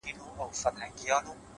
باور د بریا لومړنی قدم دی,